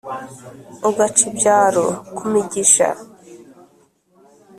ugaca ibyaro ku migisha.